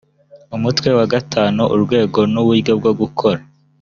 umutwe wa gatanu urwego n uburyo bwo gukora